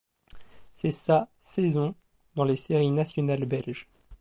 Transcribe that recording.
C'est sa ' saison dans les séries nationales belges.